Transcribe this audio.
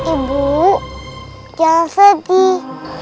ibu jangan sedih